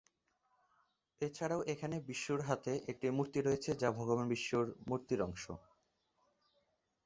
এছাড়াও এখানে বিষ্ণুর হাতের একটি মূর্তি রয়েছে যা ভগবান বিষ্ণু মূর্তির অংশ।